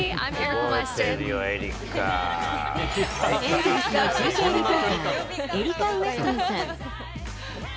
エンゼルの中継リポーター、エリカ・ウエストンさん。